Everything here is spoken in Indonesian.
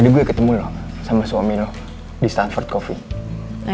tadi gue ketemu loh sama suami lo di stanford coffee